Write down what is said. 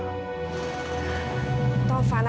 taufan aku mau ketemu sama kamila